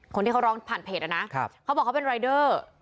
คนที่เขาร้องผ่านเพจนะเขาบอกเขาเป็นรายเดอร์